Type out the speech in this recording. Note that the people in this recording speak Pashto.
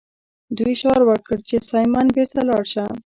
دوی شعار ورکړ چې سایمن بیرته لاړ شه.